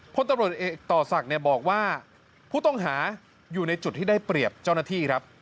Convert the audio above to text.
พลตำรวจเอกต่อศักดิ์บอกว่าผู้ต้องหาอยู่ในจุดที่ได้เปรียบเจ้าหน้าที่ครับ